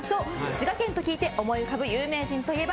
滋賀県と聞いて思い浮かぶ有名人といえば？